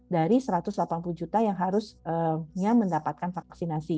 dari satu ratus delapan puluh juta yang harusnya mendapatkan vaksinasi